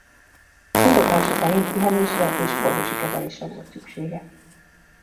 Indoklása szerint pihenésre és orvosi kezelésre volt szüksége.